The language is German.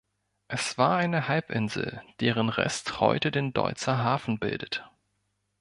Er war eine Halbinsel, deren Rest heute den Deutzer Hafen bildet.